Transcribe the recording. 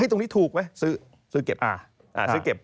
ตรงนี้ถูกไหมซื้อเก็บ